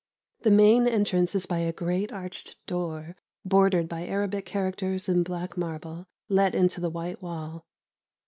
The main entrance is by a great arched door, bordered by Arabic characters in black marble let into the white wall.